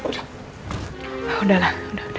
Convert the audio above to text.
udah lah udah udah